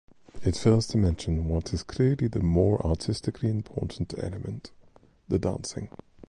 It fails to mention what is clearly the more artistically important element: the dancing.